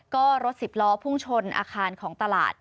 ก็รถสิบล้อพุ่งชนอาคารของตลาด